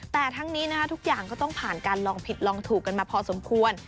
แต่ทั้งนี้ทุกอย่างก็ต้องผ่านการลองผิดลองถูกกันมาพอสมควร